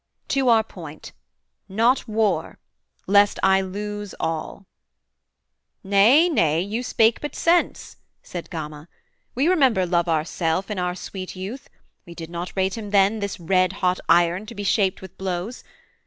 To our point: not war: Lest I lose all.' 'Nay, nay, you spake but sense' Said Gama. 'We remember love ourself In our sweet youth; we did not rate him then This red hot iron to be shaped with blows.